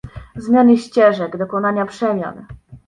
zmiany ścieżek, dokonania przemian